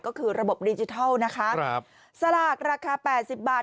ก็คือระบบดิจิทัลนะคะสลากราคา๘๐บาท